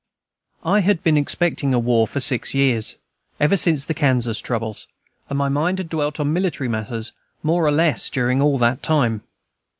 I had been expecting a war for six years, ever since the Kansas troubles, and my mind had dwelt on military matters more or less during all that time.